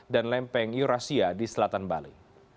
dan lempeng eurasia di selatan bali